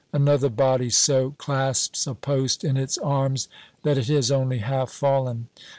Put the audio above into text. Another body so clasps a post in its arms that it has only half fallen.